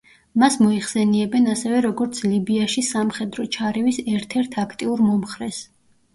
მას მოიხსენიებენ ასევე, როგორც ლიბიაში სამხედრო ჩარევის ერთ-ერთ აქტიურ მომხრეს.